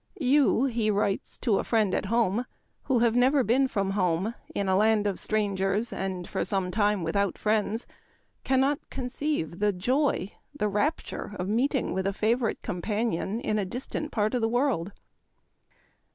" You," he writes to a friend at home, "who have never been from home in a land of strangers and for some time without friends, cannot conceive the joy, the rapture of meeting with a favorite companion in a distant part of the world."